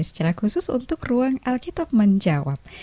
secara khusus untuk ruang alkitab menjawab